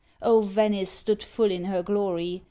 O, Venice stood full in her glory.